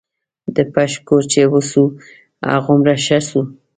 د پښ کور چې وسو هغومره ښه سو.